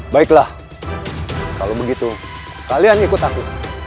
baiklah kalau begitu kalian ikut aku